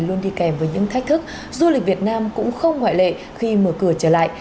luôn đi kèm với những thách thức du lịch việt nam cũng không ngoại lệ khi mở cửa trở lại